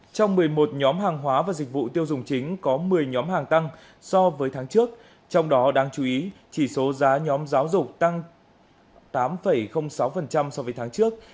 trong một mươi một nhóm hàng hóa và dịch vụ tiêu dùng chính có một mươi nhóm hàng tăng so với tháng trước trong đó đáng chú ý chỉ số giá nhóm giáo dục tăng tám sáu so với tháng trước